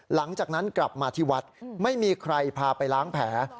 หลังจากนั้นกลับมาที่วัดไม่มีใครพาไปล้างแผล